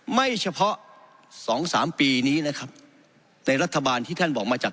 ไม่เฉพาะสองสามปีนี้นะครับในรัฐบาลที่ท่านบอกมาจาก